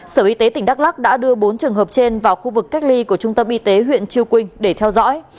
sở y tế tỉnh đắk lắc đã đưa bốn trường hợp trên vào khu vực cách ly của trung tâm y tế huyện chư quynh để theo dõi